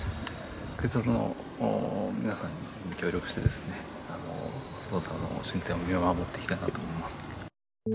警察の皆さんに協力して捜査の進展を見守っていきたいなと思います。